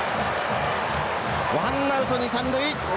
ワンアウト二三塁。